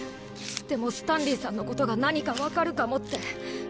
でもスタンリーさんのことが何か分かるかもって。